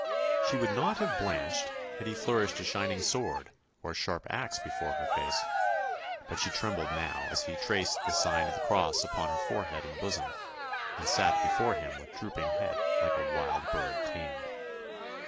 She would not have blanched had he flourished a shining sword, or a sharp axe before her face, but she trembled now as he traced the sign of the cross upon her forehead and bosom, and sat before him with drooping head like a wild bird tamed.